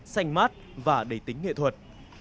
xanh mát và đầy tính nghệ thuật